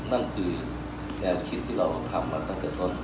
นั่นคือแนวคิดที่เราทำมาตั้งแต่ต้น